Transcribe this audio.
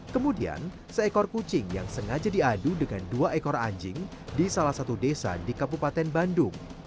kemudian seekor kucing yang sengaja diadu dengan dua ekor anjing di salah satu desa di kabupaten bandung